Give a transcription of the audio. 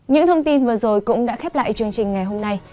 những thông tin vừa rồi cũng đã khép lại chương trình ngày hôm nay